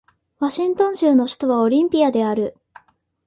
ワシントン州の州都はオリンピアである